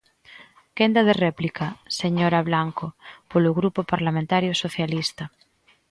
Quenda de réplica, señora Blanco, polo Grupo Parlamentario Socialista.